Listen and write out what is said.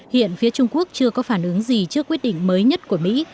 hiện phía trung quốc chưa có phản ứng gì trước quyết định mới nhất của mỹ